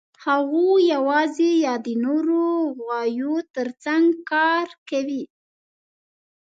هغوی یواځې یا د نورو غویو تر څنګ کار کوي.